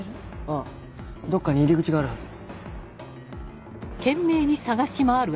ああどこかに入り口があるはず。